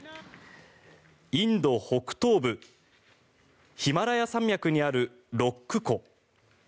インド北東部ヒマラヤ山脈にあるロナック湖。